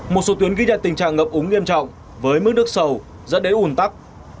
một số tuyến ghi nhận tình trạng ngập ống nghiêm trọng với mức nước sầu dẫn đến ủn tắc